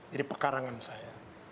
jadi pekarangan saya